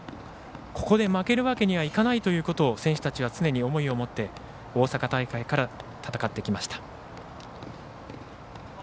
ここで負けるわけにいかないということを選手たちは常に思いを持って大阪大会から戦ってきました。